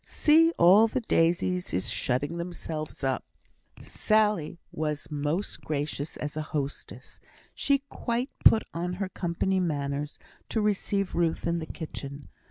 See, all the daisies is shutting themselves up." Sally was most gracious as a hostess. She quite put on her company manners to receive Ruth in the kitchen.